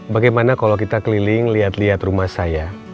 bagaimana kalau kita keliling lihat lihat rumah saya